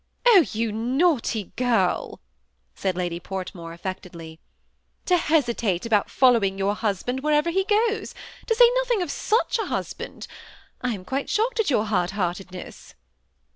" Oh, you naughty girl !*' said Lady Portmore, af feetedly, ''to hesitate ahout following your husband wfaerever he goes, ^^ r* to say nothing of such a hus hand! I am shocked at your hard heartedness."